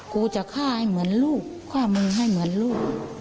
กูจะฆ่าให้เหมือนลูกฆ่ามึงให้เหมือนลูก